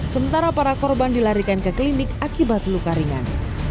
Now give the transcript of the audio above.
sementara para korban dilarikan ke klinik akibat luka ringan